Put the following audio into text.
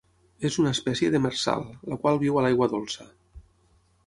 És una espècie demersal, la qual viu a l'aigua dolça.